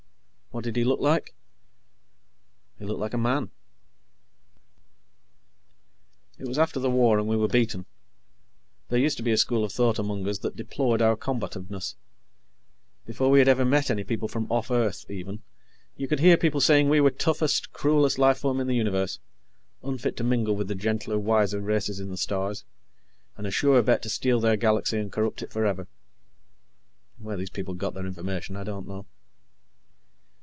What did he look like? He looked like a man. It was after the war, and we were beaten. There used to be a school of thought among us that deplored our combativeness; before we had ever met any people from off Earth, even, you could hear people saying we were toughest, cruelest life form in the Universe, unfit to mingle with the gentler wiser races in the stars, and a sure bet to steal their galaxy and corrupt it forever. Where these people got their information, I don't know.